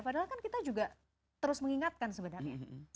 padahal kan kita juga terus mengingatkan sebenarnya